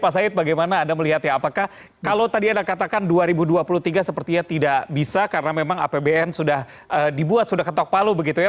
pak said bagaimana anda melihat ya apakah kalau tadi anda katakan dua ribu dua puluh tiga sepertinya tidak bisa karena memang apbn sudah dibuat sudah ketok palu begitu ya